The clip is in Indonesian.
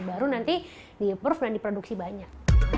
baru nanti di approve dan diproduksi banyak